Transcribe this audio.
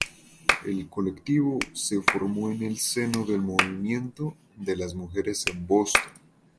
El colectivo se formó en el seno del movimiento de las mujeres en Boston.